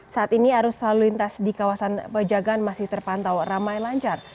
saat ini arus lalu lintas di kawasan pejagan masih terpantau ramai lancar